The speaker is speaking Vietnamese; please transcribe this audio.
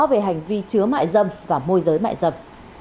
về hành vi chứa mại dâm và môi giới mại dâm